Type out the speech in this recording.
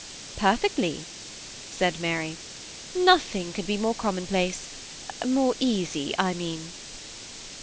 " Perfectly," said Mary ;" nothing could be more commonplace, — more easy I mean."